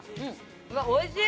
おいしい！